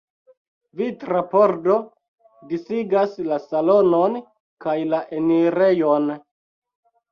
Vitra pordo disigas la salonon kaj la enirejon.